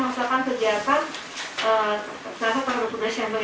atas nama tersangka lima tersangka yaitu ss dari panvel